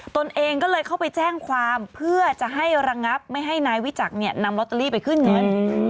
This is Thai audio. ตนเองก็เลยเข้าไปแจ้งความเพื่อจะให้ระงับไม่ให้นายวิจักรเนี่ยนำลอตเตอรี่ไปขึ้นเงิน